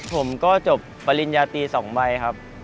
ผมก็จบปริญญาตี๒ใบครับ